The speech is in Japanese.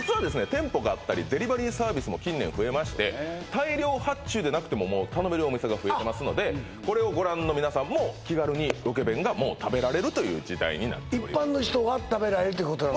店舗があったりデリバリーサービスも近年増えまして大量発注でなくてももう頼めるお店が増えてますのでこれをご覧の皆さんも気軽にロケ弁がもう食べられるという時代に一般の人が食べられるということなの？